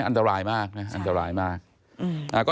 อันตรายมาก